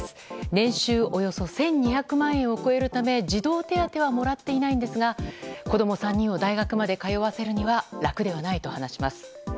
年収およそ１２００万円を超えるため児童手当はもらっていないんですが子供３人を大学まで通わせるには楽ではないと話します。